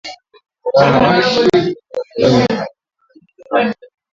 Majeraha hutokea sehemu anazojikuna sana